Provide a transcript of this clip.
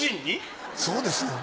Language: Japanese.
そうです。